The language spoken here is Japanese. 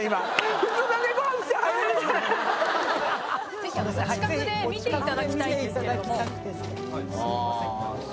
ぜひお近くで見ていただきたい。